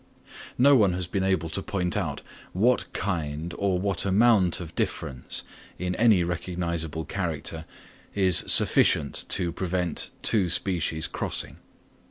No one has been able to point out what kind or what amount of difference, in any recognisable character, is sufficient to prevent two species crossing.